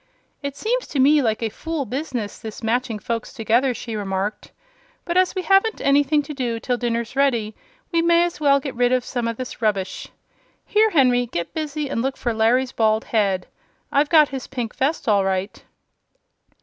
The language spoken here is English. "It seems to me like a fool business, this matching folks together," she remarked; "but as we haven't anything to do till dinner's ready, we may as well get rid of some of this rubbish. Here, Henry, get busy and look for Larry's bald head. I've got his pink vest, all right."